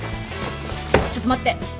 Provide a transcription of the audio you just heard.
ちょっと待って。